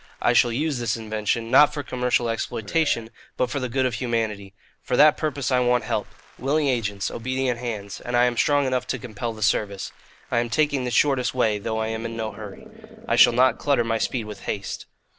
I shall use this invention, not for commercial exploitation, but for the good of humanity. For that purpose I want help willing agents, obedient hands; and I am strong enough to compel the service. I am taking the shortest way, though I am in no hurry. I shall not clutter my speed with haste.